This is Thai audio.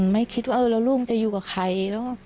ไม่คิดว่าลูกมันจะอยู่กับใคร